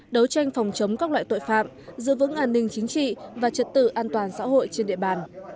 đấu tranh phòng chống các loại tội phạm giữ vững an ninh chính trị và trật tự an toàn xã hội trên địa bàn